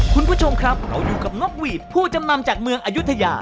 คุณผู้ชมครับเราอยู่กับนกหวีดผู้จำนำจากเมืองอายุทยา